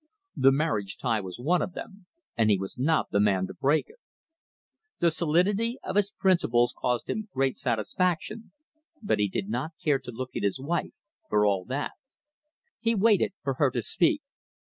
The marriage tie was one of them, and he was not the man to break it. The solidity of his principles caused him great satisfaction, but he did not care to look at his wife, for all that. He waited for her to speak.